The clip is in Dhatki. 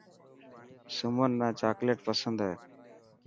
سمن نا چاڪليٽ پسند هي